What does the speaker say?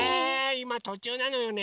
いまとちゅうなのよね。